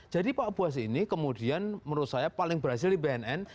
jadi pak buas ini kemudian menurut saya paling berhasil di bnn